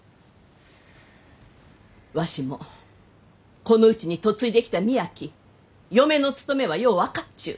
わしもこのうちに嫁いできた身やき嫁の務めはよう分かっちゅう。